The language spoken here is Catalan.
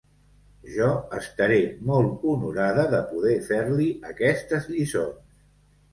Jo estaré molt honorada de poder fer-li aquestes lliçons.